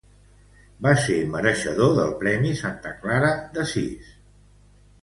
Va ser mereixedor del premi Santa Clara d'Assís.